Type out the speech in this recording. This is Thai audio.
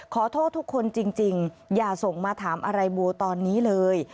ขอโทษทุกคนจริงอย่าส่งมาถามอะไรโบตอนนี้เลย